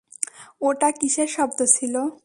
ওটা কীসের শব্দ ছিলো?